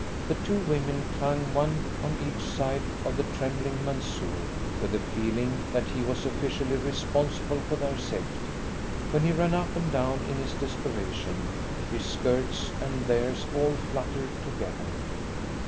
The two women clung one on each side of the trembling Mansoor, with a feeling that he was officially responsible for their safety. When he ran up and down in his desperation, his skirts and theirs all fluttered together.